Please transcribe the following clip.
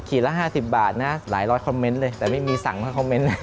ละ๕๐บาทนะหลายร้อยคอมเมนต์เลยแต่ไม่มีสั่งมาคอมเมนต์นะ